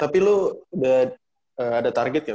tapi lu udah ada target gak